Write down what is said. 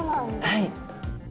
はい。